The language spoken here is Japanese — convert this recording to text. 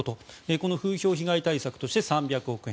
この風評被害対策として３００億円。